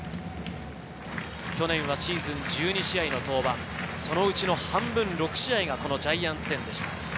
去年はシーズン１２試合の登板、そのうち半分６試合がジャイアンツ戦でした。